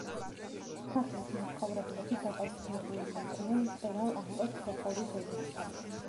სახლის მაცხოვრებლები დაკავშირებული იყვნენ მწერალ ანტონ ჩეხოვის ოჯახთან.